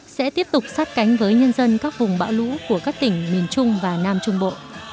sẽ tiếp tục sát cánh với nhân dân các vùng bão lũ của các tỉnh miền trung và nam trung bộ